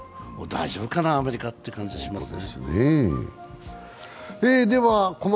大丈夫かな、アメリカという感じがしますね。